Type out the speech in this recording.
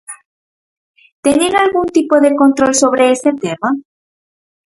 ¿Teñen algún tipo de control sobre ese tema?